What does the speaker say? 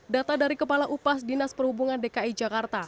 data dari kepala upas dinas perhubungan dki jakarta